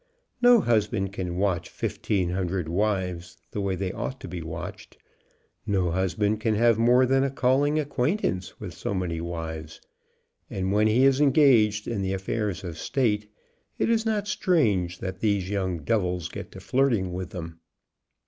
No husband can watch fifteen hundred wives the way they ought to be watched. No husband can have more than a calling acquaintance with so many wives, and when he is engaged in the affairs of state, it is not strange that these young devils get to flirting with them.